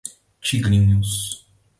Tigrinhos